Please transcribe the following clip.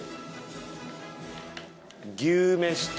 牛めしと。